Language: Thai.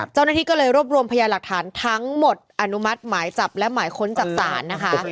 เจ้าหน้าที่ก็เลยรวบรวมพยาหลักฐานทั้งหมดอนุมัติหมายจับและหมายค้นจากศาลนะคะ